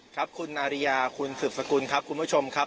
ครับคุณนาริยาคุณสืบสกุลครับคุณผู้ชมครับ